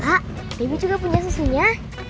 kak bebi juga punya susunya